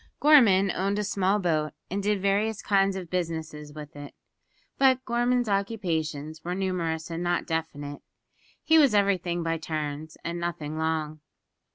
Gorman owned a small boat, and did various kinds of business with it. But Gorman's occupations were numerous and not definite. He was everything by turns, and nothing long.